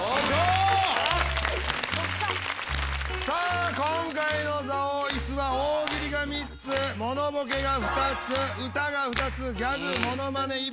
さあ今回の「座王」イスは大喜利が３つモノボケが２つ歌が２つギャグモノマネ